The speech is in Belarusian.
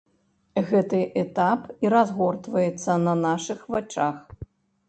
Гэты этап і разгортваецца на нашых вачах.